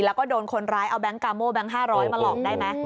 แล้วก็โดนคนร้ายเอาแก๊งกาโม่แก๊ง๕๐๐มาหลอกได้ไหม